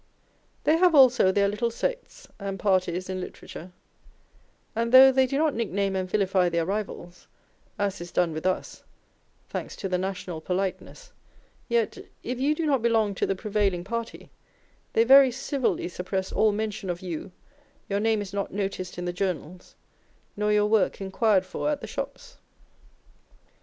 They have also their little sects and parties in literature, and though they do not nickname and vilify their rivals, as is done with us (thanks to the national politeness), yet if you do not belong to the prevailing party, they very civilly suppress all mention of you, your name is not noticed in the journals, nor your work inquired for at the shops.